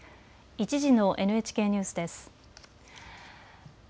１時のＮＨＫニュースです。